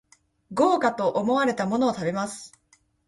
豪華と思われたものを食べます